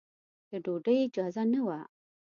د ډوډۍ اجازه نه وه.